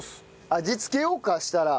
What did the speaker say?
味つけようかそしたら。